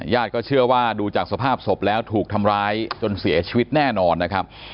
ญาติก็เชื่อว่าดูจากสภาพศพแล้วถูกทำร้ายจนเสียชีวิตแน่นอนนะครับ